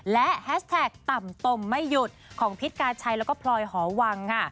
และแฮชแท็กต่ำตมไม่หยุดของพิษกาชัยแล้วก็พลอยหอวังค่ะ